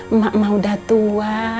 emak mah udah tua